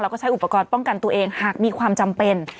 แล้วก็ใช้อุปกรณ์ป้องกันตัวเองหากมีความจำเป็น